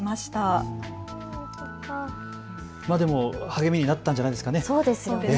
励みになったんじゃないですかね。